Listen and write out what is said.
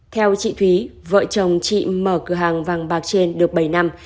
theo chị thúy vợ chồng chị mở cửa hàng vàng bạc trên được bảy năm